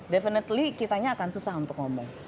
definitely kitanya akan susah untuk ngomong